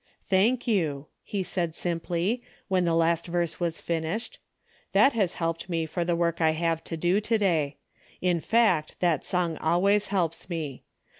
" Thank you !" he said simply, when the last verse was finished. " That has helped me for the work that I have to do to day. In fact that song always helps me.